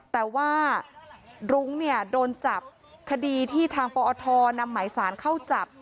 แต่ว่ารุ้งเนี่ยโดนจับคดีที่ทางปอทนำหมายสารเข้าจับ